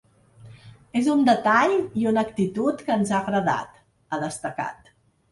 “És un detall i una actitud que ens ha agradat”, ha destacat.